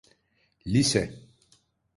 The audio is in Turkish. Lise…